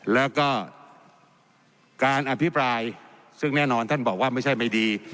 แล้วก็การอภิปรายซึ่งแน่นอนท่านบอกว่าไม่ใช่ไม่ดี